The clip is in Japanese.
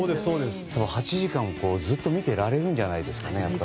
８時間ずっと見てられるんじゃないですかね。